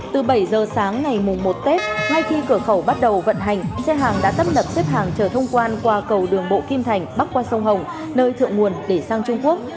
từ bảy giờ sáng ngày mùng một tết ngay khi cửa khẩu bắt đầu vận hành xe hàng đã tấp nập xếp hàng chờ thông quan qua cầu đường bộ kim thành bắc qua sông hồng nơi thượng nguồn để sang trung quốc